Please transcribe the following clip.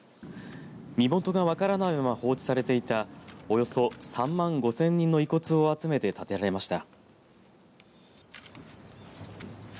身元が分からないまま放置されていたおよそ３万５０００人の遺骨を集めて建てられました。